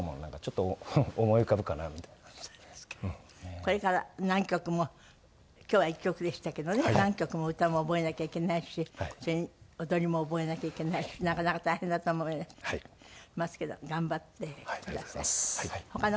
これから何曲も今日は１曲でしたけどね何曲も歌も覚えなきゃいけないしそれに踊りも覚えなきゃいけないしなかなか大変だと思いますけど頑張ってください。